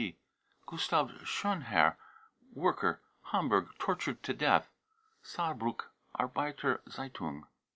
( WTB .) gustav schonherr, worker, Hamburg, tortured to death. (Saarbruck Arbeiter Z^itung.)